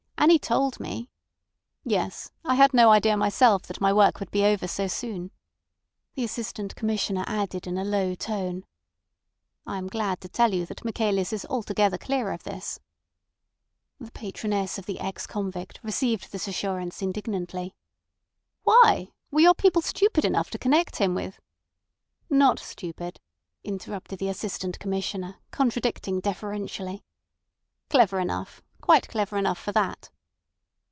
Annie told me—" "Yes. I had no idea myself that my work would be over so soon." The Assistant Commissioner added in a low tone: "I am glad to tell you that Michaelis is altogether clear of this—" The patroness of the ex convict received this assurance indignantly. "Why? Were your people stupid enough to connect him with—" "Not stupid," interrupted the Assistant Commissioner, contradicting deferentially. "Clever enough—quite clever enough for that."